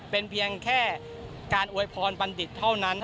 เป็นเพียงแค่การอวยพรบัณฑิตเท่านั้น